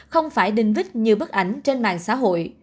không phải đinh vít như bức ảnh trên mạng xã hội